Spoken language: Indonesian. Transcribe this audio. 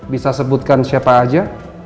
bisa sebutkan siapa aja